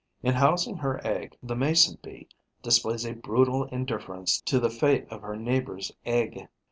In housing her egg, the Mason bee displays a brutal indifference to the fate of her neighbour's egg.